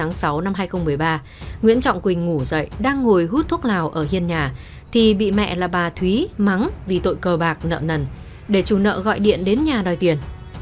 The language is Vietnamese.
năm hai nghìn sáu hai nghìn một mươi ba nguyễn trọng quỳnh ngủ dậy đang ngồi hút thuốc lào ở hiên nhà thì bị mẹ là bà thúy mắng vì tội cơ bạc nợ nần để chủ nợ gọi điện đến nhà đòi tiền